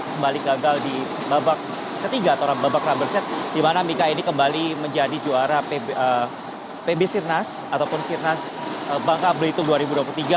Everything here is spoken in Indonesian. kembali gagal di babak ketiga atau babak rubber set di mana mika ini kembali menjadi juara pb sirnas ataupun sirnas bangka belitung dua ribu dua puluh tiga